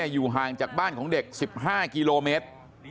อยู่ห่างจากบ้านของเด็ก๑๕กิโลเมตร